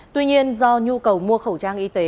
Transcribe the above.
tuy nhiên do nhu cầu mua khẩu trang y tế